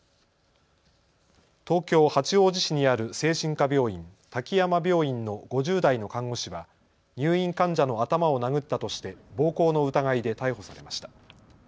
東京八王子市にある精神科病院、滝山病院の５０代の看護師は入院患者の頭を殴ったとして暴行の疑いで逮捕されました。